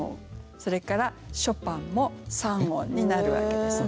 それから「ショパン」も三音になるわけですね。